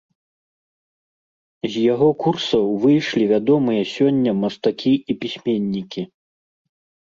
З яго курсаў выйшлі вядомыя сёння мастакі і пісьменнікі.